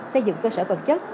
xây dựng cơ sở vật chất